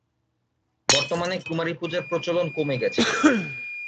বর্তমানে কুমারী পূজার প্রচলন কমে গেছে।